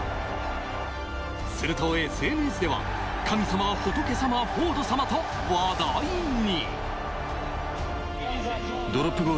するとＳＮＳでは、「神様・仏様・フォード様」と話題に。